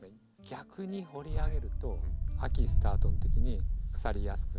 逆に掘り上げると秋スタートのときに腐りやすくなる。